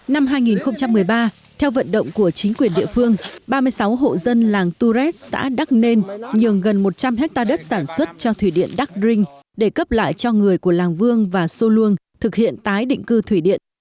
năm hai nghìn một mươi ba theo vận động của chính quyền địa phương ba mươi sáu hộ dân làng tu rét xã đắc nên nhường gần một trăm linh hectare đất sản xuất cho thủy điện đắc rinh để cấp lại cho người của làng vương và sô luông thực hiện tái định cư thủy điện